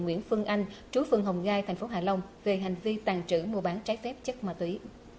nguyễn phương anh chú phường hồng gai thành phố hạ long về hành vi tàn trữ mua bán trái phép chất ma túy